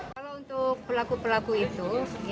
kalau untuk pelaku pelaku